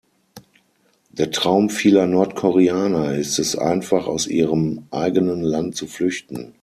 Der Traum vieler Nordkoreaner ist es einfach, aus ihrem eigenen Land zu flüchten.